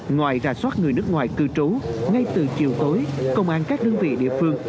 ngoài ra soát người nước ngoài cư trú ngay từ chiều tối công an các đơn vị địa phương